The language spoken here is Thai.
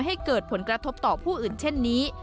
ให้เกิดผลกระทบต่อผู้อื่นเช่นนี้